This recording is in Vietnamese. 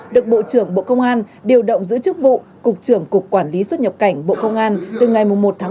được bộ trưởng bộ công an điều động giữ chức vụ cục trưởng cục quản lý xuất nhập cảnh bộ công an từ ngày một bảy hai nghìn hai mươi hai